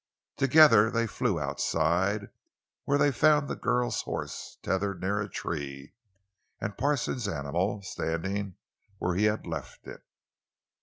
Together they flew outside, where they found the girl's horse tethered near a tree, and Parsons' animal standing where he had left it.